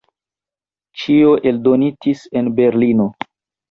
Ĉio eldonitis en Berlino.